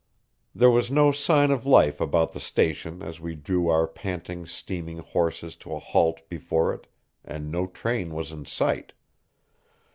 There was no sign of life about the station as we drew our panting, steaming horses to a halt before it, and no train was in sight.